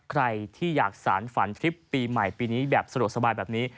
ใครที่อยากสารฝันทริปปีใหม่ปีนี้แบบสะดวกสบายแบบนี้